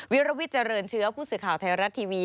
วิรวิทย์เจริญเชื้อผู้สื่อข่าวไทยรัฐทีวี